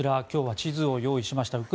今日は地図を用意しました。